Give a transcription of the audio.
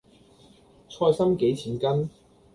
菜芯幾錢斤？